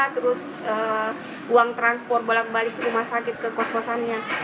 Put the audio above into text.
terus uang transport balik balik ke rumah sakit ke kosmosannya